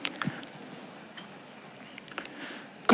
สวัสดีครับ